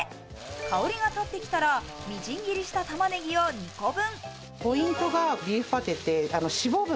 香りが立ってきたら、みじん切りした玉ねぎを２個分。